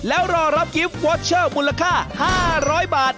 แล้วรอรับกิฟต์วอเชอร์มูลค่า๕๐๐บาท